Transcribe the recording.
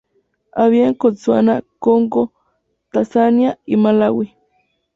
Habita en Botsuana, Congo, Tanzania y Malaui.